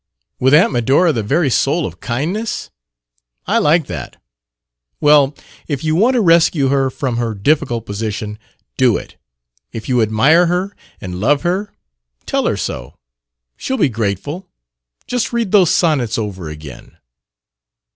"With Aunt Medora the very soul of kindness? I like that! Well, if you want to rescue her from her difficult position, do it. If you admire her and love her tell her so! She'll be grateful just read those sonnets over again!"